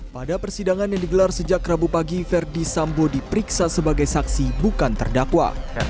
pada persidangan yang digelar sejak rabu pagi verdi sambo diperiksa sebagai saksi bukan terdakwa